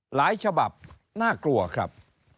หลายฉบับน่ากลัวครับ